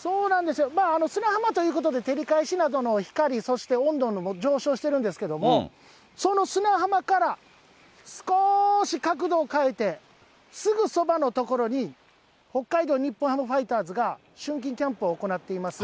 そうなんですよ、砂浜ということで、照り返しなどの光、温度も上昇してるんですけど、その砂浜から、少し角度を変えて、すぐそばの所に、北海道日本ハムファイターズが春季キャンプを行っています。